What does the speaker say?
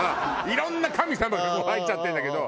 いろんな神様が入っちゃってるんだけど。